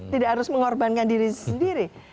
tidak harus mengorbankan diri sendiri